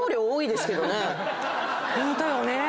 ホントよね。